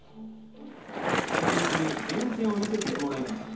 特別に源泉を見せてもらいます